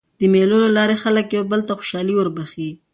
د مېلو له لاري خلک یو بل ته خوشحالي وربخښي.